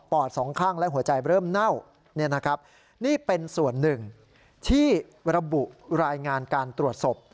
อดสองข้างและหัวใจเริ่มเน่านี่เป็นส่วนหนึ่งที่ระบุรายงานการตรวจศพ